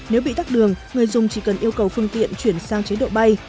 nếu bị tắt đường người dùng chỉ cần yêu cầu phương tiện chuyển sang chế độ bay